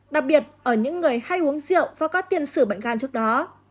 đặc biệt ở những người hay uống rượu và có tiền sử bệnh gan trước đó